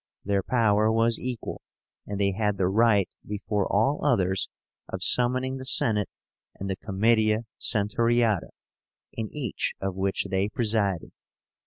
Their power was equal, and they had the right before all others of summoning the Senate and the Comitia Centuriáta, in each of which they presided.